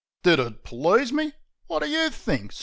Did it please me? Wot do you think?